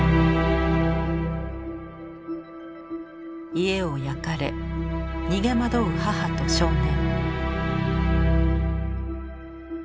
家を焼かれ逃げ惑う母と少年。